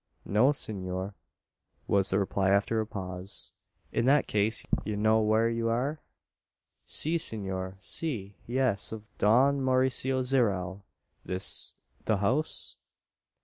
"No, senor," was the reply, after a pause. "In that case, ye know whar ye air?" "Si, senor si yes, of Don Mauricio Zyerral, this the house?"